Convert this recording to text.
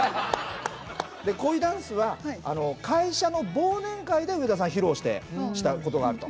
で恋ダンスは会社の忘年会で上田さん披露したことがあると。